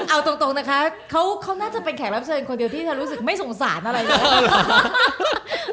เอาตรงนะคะเขาน่าจะเป็นแขกรับเชิญคนเดียวที่เธอรู้สึกไม่สงสารอะไรเลย